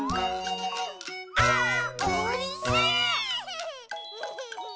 「あーおいしい！」